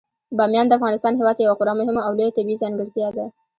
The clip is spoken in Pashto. بامیان د افغانستان هیواد یوه خورا مهمه او لویه طبیعي ځانګړتیا ده.